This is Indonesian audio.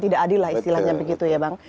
tidak adil lah istilahnya begitu ya bang